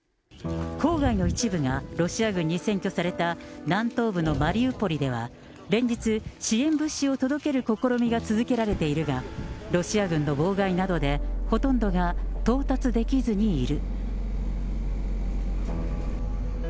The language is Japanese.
郊外の一部がロシア軍に占拠された南東部のマリウポリでは、連日、支援物資を届ける試みが続けられているが、ロシア軍の妨害などで、ほとんどが到達できずにいる。